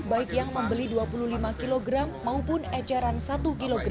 baik yang membeli dua puluh lima kg maupun ecaran satu kg